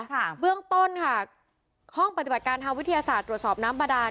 ค่ะเบื้องต้นค่ะห้องปฏิบัติการทางวิทยาศาสตร์ตรวจสอบน้ำบาดาน